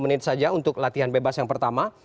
tiga puluh menit saja untuk latihan bebas yang pertama